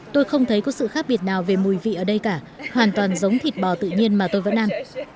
tôi không thấy có sự khác biệt nào về mùi vị ở đây cả hoàn toàn giống thịt bò tự nhiên mà tôi vẫn ăn